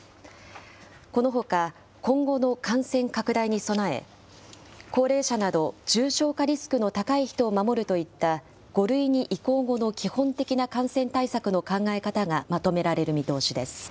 このほか今後の感染拡大に備え、高齢者など重症者リスクの高い人を守るといった５類に移行後の基本的な感染対策の考え方がまとめられる見通しです。